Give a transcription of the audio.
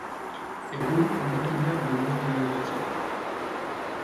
Egun hondakinak baino ez dira geratzen.